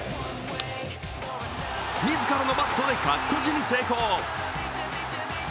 自らのバットで勝ち越しに成功。